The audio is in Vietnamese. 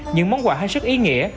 những món quà hơi sức ý nghĩa